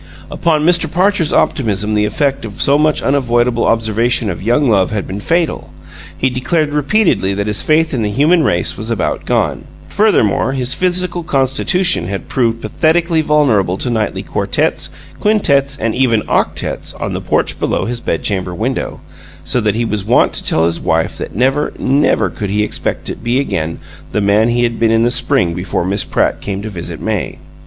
Upon Mr. Parcher's optimism the effect of so much unavoidable observation of young love had been fatal; he declared repeatedly that his faith in the human race was about gone. Furthermore, his physical constitution had proved pathetically vulnerable to nightly quartets, quintets, and even octets, on the porch below his bedchamber window, so that he was wont to tell his wife that never, never could he expect to be again the man he had been in the spring before Miss Pratt came to visit May.